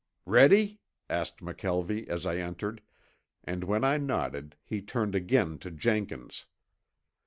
"Ready?" asked McKelvie, as I entered, and when I nodded he turned again to Jenkins.